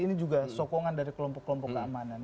ini juga sokongan dari kelompok kelompok keamanan